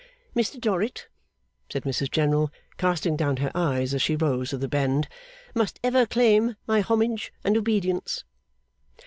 'Mr Dorrit,' said Mrs General, casting down her eyes as she rose with a bend, 'must ever claim my homage and obedience.